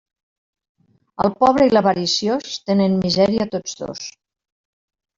El pobre i l'avariciós, tenen misèria tots dos.